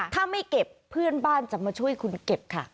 ถ้าไม่เก็บเพื่อนบ้านจะมาช่วยคุณเก็บค่ะ